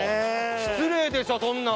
失礼でしょ、そんなの。